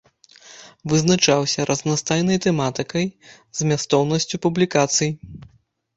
Вызначаўся разнастайнай тэматыкай, змястоўнасцю публікацый.